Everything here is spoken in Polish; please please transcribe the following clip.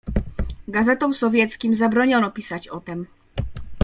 "Gazetom sowieckim zabroniono pisać o tem."